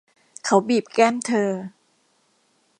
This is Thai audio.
เขาบีบแก้มเธอ